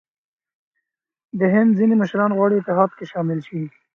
د هند ځیني مشران غواړي اتحاد کې شامل شي.